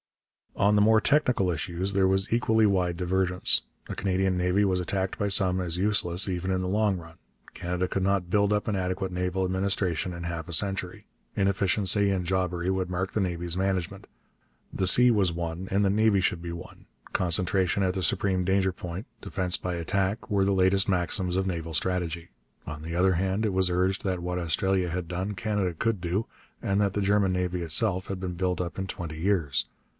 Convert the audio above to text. On the more technical issues there was equally wide divergence. A Canadian navy was attacked by some as useless even in the long run. Canada could not build up an adequate naval administration in half a century. Inefficiency and jobbery would mark the navy's management. The sea was one and the navy should be one; concentration at the supreme danger point, defence by attack, were the latest maxims of naval strategy. On the other hand, it was urged that what Australia had done Canada could do, and that the German navy itself had been built up in twenty years.